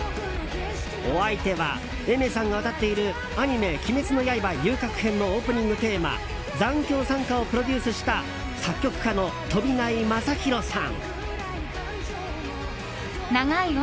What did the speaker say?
お相手はＡｉｍｅｒさんが歌っているアニメ「鬼滅の刃遊郭編」のオープニングテーマ「残響散歌」をプロデュースした作曲家の飛内将大さん。